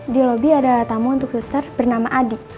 di lobby ada tamu untuk kluster bernama adi